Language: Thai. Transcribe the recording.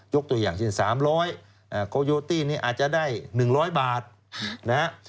ยกตัวอย่างเช่นสามร้อยอ่าโคโยตี้นี่อาจจะได้หนึ่งร้อยบาทนะฮะ